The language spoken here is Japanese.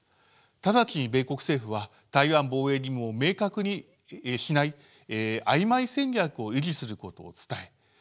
直ちに米国政府は台湾防衛義務を明確にしない「あいまい戦略」を維持することを伝え